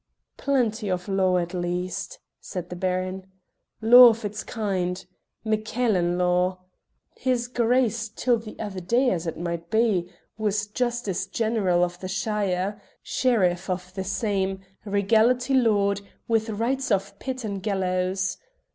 "Plenty of law at least," said the Baron. "Law of its kind MacCailen law. His Grace, till the other day, as it might be, was Justice General of the shire, Sheriff of the same, Regality Lord, with rights of pit and gallows.